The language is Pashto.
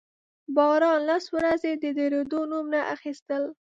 باران لس ورځې د درېدو نوم نه اخيستل.